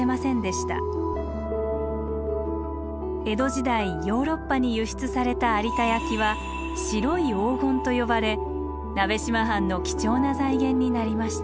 江戸時代ヨーロッパに輸出された有田焼は白い黄金と呼ばれ鍋島藩の貴重な財源になりました。